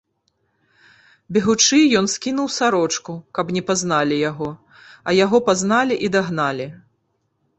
Бегучы ён скінуў сарочку, каб не пазналі яго, а яго пазналі і дагналі.